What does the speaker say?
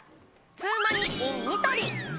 ツウマニｉｎニトリ。